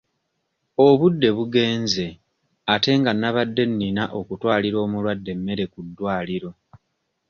Obudde bugenze ate nga nabadde nina okutwalira omulwadde emmere ku ddwaliro.